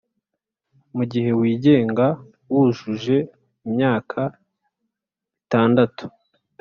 mugihe wigenga, wujuje imyaka itandatu,